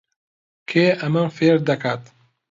کێ ئەمەم فێر دەکات؟